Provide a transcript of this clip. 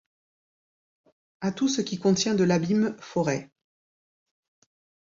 À tout ce qui contient de l’abîme, forêts